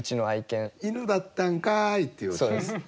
犬だったんかい！っていうオチね。